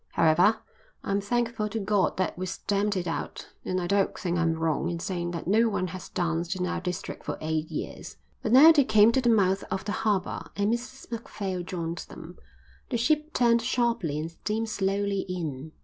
However, I'm thankful to God that we stamped it out, and I don't think I'm wrong in saying that no one has danced in our district for eight years." But now they came to the mouth of the harbour and Mrs Macphail joined them. The ship turned sharply and steamed slowly in.